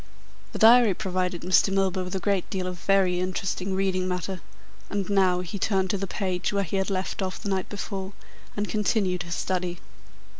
The diary provided Mr. Milburgh with a great deal of very interesting reading matter, and now he turned to the page where he had left off the night before and continued his study.